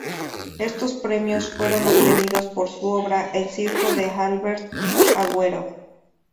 Estos premios fueron obtenidos por su obra "El Circo de Alberto Agüero".